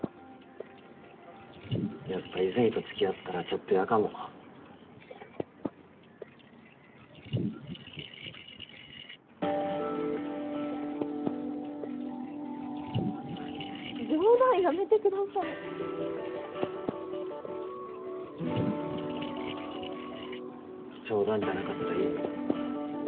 やっぱ和泉と付き合ったらちょっと嫌かもまた冗談やめてください冗談じゃなかったらいいの？